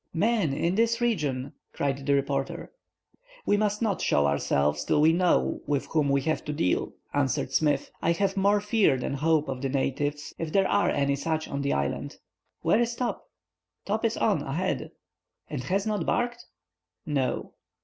"Men in this region!" cried the reporter. "We must not show ourselves till we know with whom we have to deal," answered Smith. "I have more fear than hope of the natives, if there are any such on the island. Where is Top?" "Top is on ahead." "And has not barked?" "No."